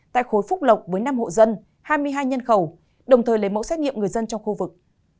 tại khối phúc lộc với năm hộ dân hai mươi hai nhân khẩu đồng thời lấy mẫu xét nghiệm người dân trong khu vực